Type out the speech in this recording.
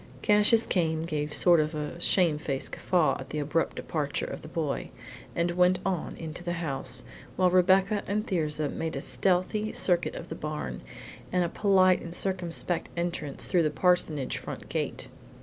Cassius Came gave a sort of shamefaced guffaw at the abrupt departure of the boy, and went on into the house, while Rebecca and Thirza made a stealthy circuit of the barn and a polite and circumspect entrance through the parsonage front gate.